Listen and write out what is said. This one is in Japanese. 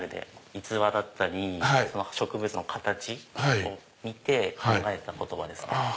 逸話だったり植物の形を見て考えた言葉ですね。